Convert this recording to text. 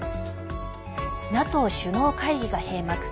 ＮＡＴＯ首脳会議が閉幕。